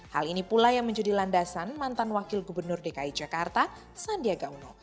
hal ini pula yang menjadi landasan mantan wakil gubernur dki jakarta sandiaga uno